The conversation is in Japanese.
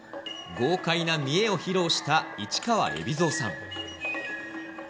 豪快な見得を披露した市川海老蔵さん。